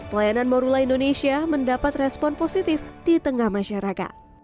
pelayanan morula indonesia mendapat respon positif di tengah masyarakat